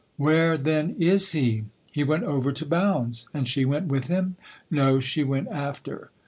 " Where then is he ?"" He went over to Bounds." " And she went with him ?"" No, she went after."